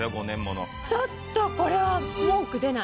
ちょっとこれは文句出ない。